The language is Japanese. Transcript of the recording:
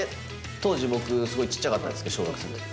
当時僕、すごくちっちゃかったんですけど、小学生のとき。